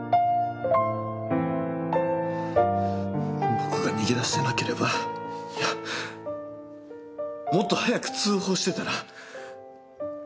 僕が逃げ出してなければいやもっと早く通報してたら。